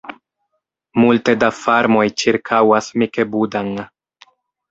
Multe da farmoj ĉirkaŭas Mikebuda-n.